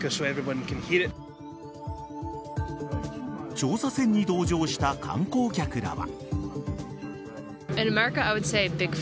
調査船に同乗した観光客らは。